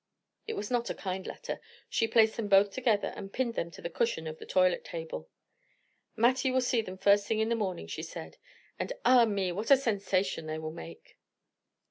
It was not a kind letter. She placed them both together and pinned them to the cushion of the toilet table. "Mattie will see them the first thing in the morning," she said, "and ah, me, what a sensation they will make!"